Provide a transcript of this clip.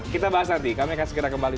kita bahas nanti kami akan segera kembali